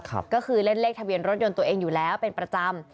ก็คือเล่นเลขทะเบียนรถยนต์ตัวเองอยู่แล้วเป็นประจำ